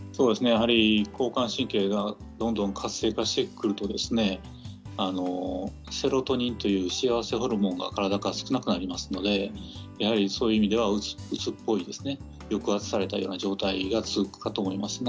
交感神経が活性化してくるとセロトニンという幸せホルモンが体から少なくなりますのでそういう意味ではうつっぽいですね抑圧された状態が続くと思います。